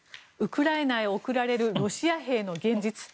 ウクライナへ送られるロシア兵の現実。